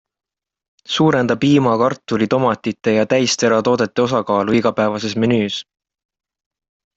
Suurenda piima, kartuli, tomatite ja täisteratoodete osakaalu igapäevases menüüs.